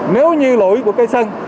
nếu như lỗi của cây xăng